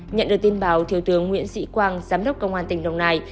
nhận được tin báo thiếu tướng nguyễn sĩ quang giám đốc công an tỉnh đồng nai